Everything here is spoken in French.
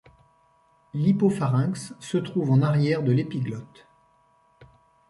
L'hypopharynx se trouve en arrière de l’épiglotte.